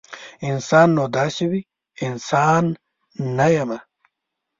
انسان نو داسې وي؟ انسان نه یمه